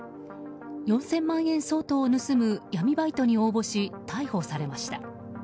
４０００万円相当を盗む闇バイトに応募し逮捕されました。